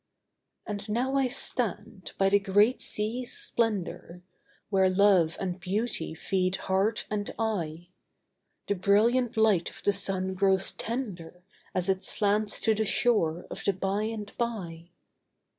And now I stand by the great sea's splendour, Where love and beauty feed heart and eye. The brilliant light of the sun grows tender As it slants to the shore of the by and by.